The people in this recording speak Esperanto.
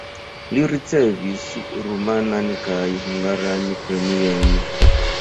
Li ricevis rumanan kaj hungaran premiojn.